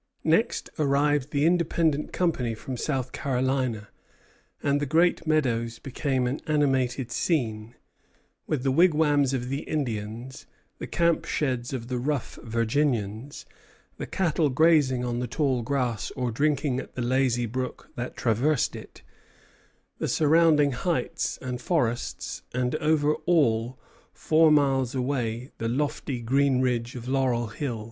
Next arrived the independent company from South Carolina; and the Great Meadows became an animated scene, with the wigwams of the Indians, the camp sheds of the rough Virginians, the cattle grazing on the tall grass or drinking at the lazy brook that traversed it; the surrounding heights and forests; and over all, four miles away, the lofty green ridge of Laurel Hill.